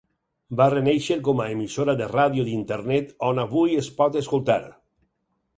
Va renéixer com a emissora de ràdio d'Internet, on avui es pot escoltar.